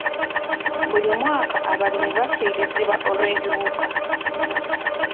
Buli mwaka abalimi bafiirizibwa olw'ebiwuka.